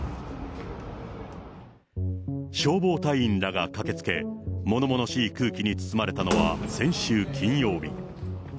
消防隊員らが駆けつけ、ものものしい空気に包まれたのは先週金曜日。